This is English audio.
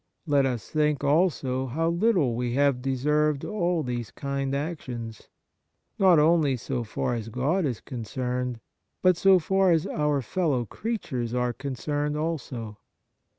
Let us think also how little we have deserved all these kind actions, not only so far as God is concerned, but so far as our fellow creatures are concerned also.